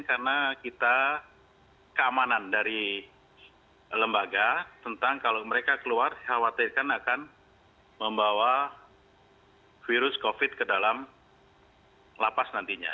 karena kita keamanan dari lembaga tentang kalau mereka keluar khawatirkan akan membawa virus covid ke dalam lapas nantinya